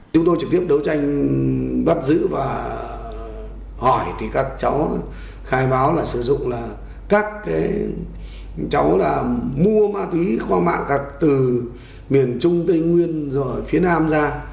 chúng tôi trực tiếp đấu tranh bắt giữ và hỏi thì các cháu khai báo là sử dụng là các cháu là mua ma túy qua mạng từ miền trung tây nguyên rồi phía nam ra